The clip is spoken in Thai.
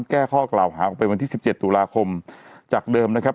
แก้ข้อกล่าวหาออกไปวันที่สิบเจ็ดตุลาคมจากเดิมนะครับ